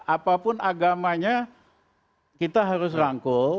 apapun agamanya kita harus rangkul